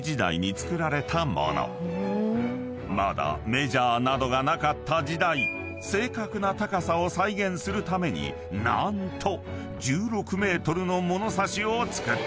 ［まだメジャーなどがなかった時代正確な高さを再現するために何と１６ｍの物差しを造った］